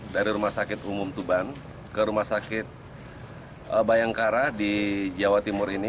dari rumah sakit umum tuban ke rumah sakit bayangkara di jawa timur ini